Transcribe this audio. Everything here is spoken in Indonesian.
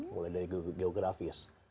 mulai dari geografis